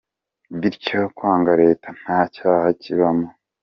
Bityo kwanga Leta nta cyaha kibamo.